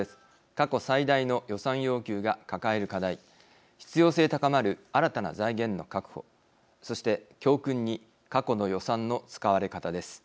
過去最大の予算要求が抱える課題必要性高まる新たな財源の確保そして教訓に過去の予算の使われ方です。